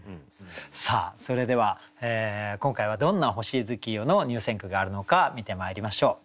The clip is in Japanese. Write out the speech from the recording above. さあそれでは今回はどんな「星月夜」の入選句があるのか見てまいりましょう。